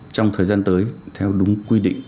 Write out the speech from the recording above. trong thời gian tới theo đúng quy định